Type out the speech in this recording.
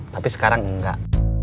tapi sekarang enggak